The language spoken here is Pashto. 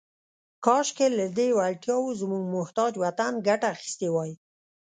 « کاشکې، لهٔ دې وړتیاوو زموږ محتاج وطن ګټه اخیستې وای. »